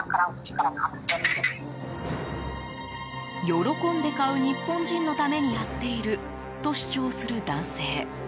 喜んで買う日本人のためにやっていると主張する男性。